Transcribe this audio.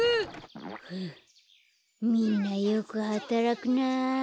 ふっみんなよくはたらくな。